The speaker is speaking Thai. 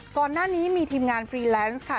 ก่อนหน้านี้มีทีมงานฟรีแลนซ์ค่ะ